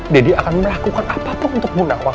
daddy akan melakukan apapun untuk ibu nawang